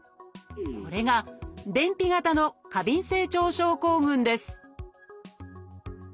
これが便秘型の過敏性腸症候群です